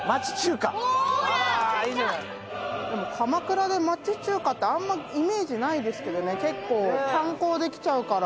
でも鎌倉で町中華ってあんまイメージないですけどね結構観光で来ちゃうから。